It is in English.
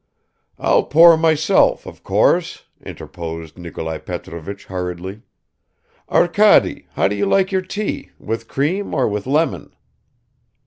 "I'll pour myself, of course," interposed Nikolai Petrovich hurriedly. "Arkady, how do you like your tea, with cream or with lemon?"